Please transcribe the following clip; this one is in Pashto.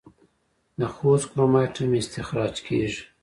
د خوست کرومایټ هم استخراج کیږي.